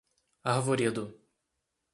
Arvoredo